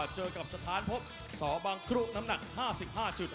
เจอกับสถานพบสบังครุน้ำหนัก๕๕จุด